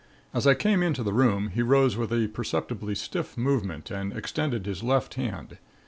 As I came into the room he rose with a perceptibly stiff movement and extended his left hand.